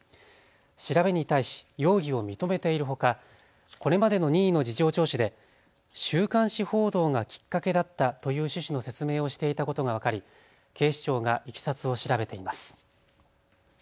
調べに対し容疑を認めているほかこれまでの任意の事情聴取で週刊誌報道がきっかけだったという趣旨の説明をしていたことが分かり警視庁がいきさつを調べています。